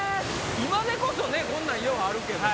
今でこそこんなんようあるけど。